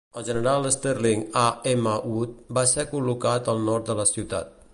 El general Sterling A. M. Wood va ser col·locat al nord de la ciutat.